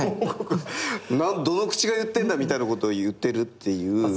どの口が言ってんだみたいなことを言ってるっていう。